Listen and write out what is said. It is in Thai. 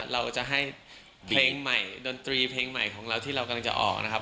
เราจะให้เพลงใหม่ดนตรีเพลงใหม่ของเราที่เรากำลังจะออกนะครับ